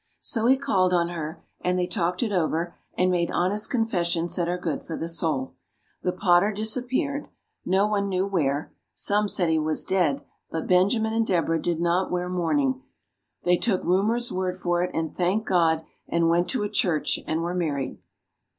So he called on her, and they talked it over and made honest confessions that are good for the soul. The potter disappeared no one knew where some said he was dead, but Benjamin and Deborah did not wear mourning. They took rumor's word for it, and thanked God, and went to a church and were married.